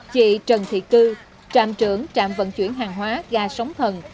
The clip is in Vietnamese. chị trần thị cư trạm trưởng trạm vận chuyển hàng hóa ga sóng thần